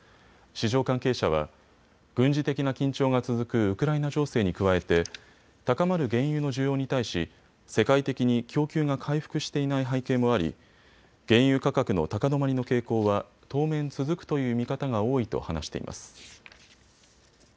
市場関係者は軍事的な緊張が続くウクライナ情勢に加えて高まる原油の需要に対し世界的に供給が回復していない背景もあり、原油価格の高止まりの傾向は当面、続くという見方が多いと話しています。